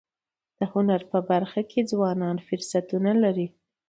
د هنر په برخه کي ځوانان فرصتونه لري.